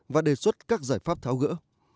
và đề xuất các giải pháp tháo gỡ